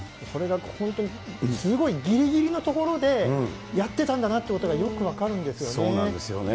それが本当にすごいぎりぎりのところでやってたんだなってことがよく分かるんですよね。